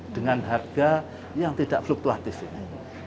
dengan harga yang tidak fluktuatif ini